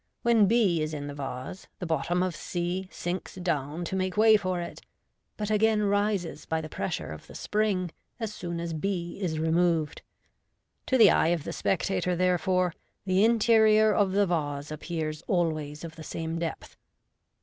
When b is in the vase, the bottom of c sinks down to make way for it, but again rises by the pressure of the spring as soon as b is removed. To the eye of the spectator, therefore, the interior of the vase appears always of the same depth.